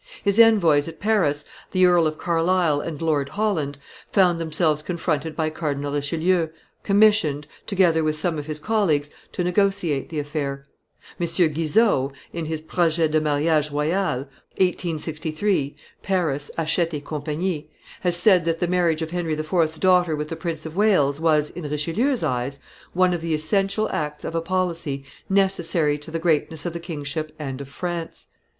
His envoys at Paris, the Earl of Carlisle and Lord Holland, found themselves confronted by Cardinal Richelieu, commissioned, together with some of his colleagues, to negotiate the affair. M. Guizot, in his Projet de Mariage royal (1 vol. 18mo: 1863; Paris, Hachette et Cie), has said that the marriage of Henry IV.'s daughter with the Prince of Wales was, in Richelieu's eyes, one of the essential acts of a policy necessary to the greatness of the kingship and of France.